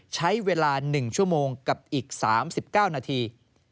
ใช้เวลา๑ชั่วโมงกับอีก๓๙นาที